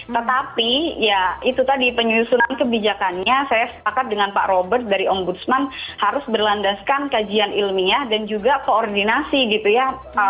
tetapi ya itu tadi penyusunan kebijakannya saya sepakat dengan pak robert dari ombudsman harus berlandaskan kajian ilmiah dan juga koordinasi gitu ya